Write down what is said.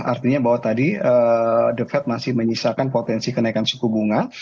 artinya bahwa tadi the fed masih menyisakan potensi kenaikan suku bunga